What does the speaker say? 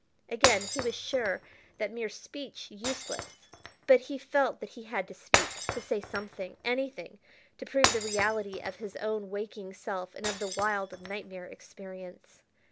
Again he was sure that mere speech useless, but he felt that he had to speak, to say something, anything, to prove the reality of his own waking self and of the wild, nightmare experience.